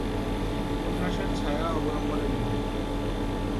উপন্যাসের ছায়া অবলম্বনে নির্মিত।